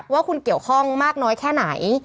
ว่าคุณเกี่ยวข้องมากน้อยแค่ไหน